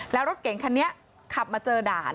แล้วรถเก่งคันนี้ขับมาเจอด่าน